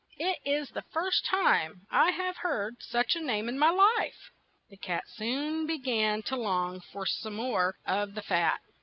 "It is the first time I have heard such a name in my life." The cat soon be gan to long for some more of the fat.